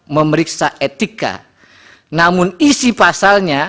memeriksa etika namun isi pasalnya